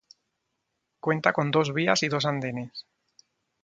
Cuenta con dos vías y dos andenes.